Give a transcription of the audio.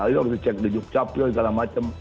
ini harus dicek di jogja prio segala macam